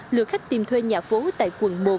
lượt khách tìm thuê nhà phố tại quần một